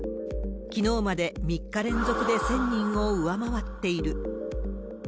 きのうまで３日連続で１０００人を上回っている。